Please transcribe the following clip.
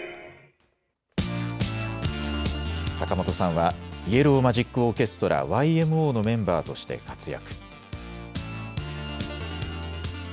坂本さんはイエロー・マジック・オーケストラ・ＹＭＯのメンバーとして活躍。